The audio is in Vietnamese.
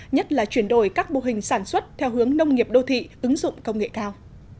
nhất là chuyển đổi các mô hình sản xuất theo hướng nông nghiệp đô thị ứng dụng công nghệ cao